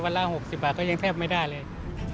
ละ๖๐บาทก็ยังแทบไม่ได้เลย